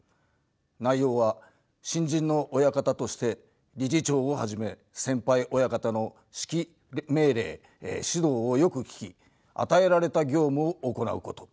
内容は「新人の親方として理事長をはじめ先輩親方の指揮命令指導をよく聞き与えられた業務を行うこと」。